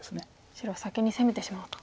白は先に攻めてしまおうと。